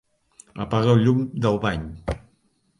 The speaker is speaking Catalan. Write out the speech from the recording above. Apaga el llum del bany.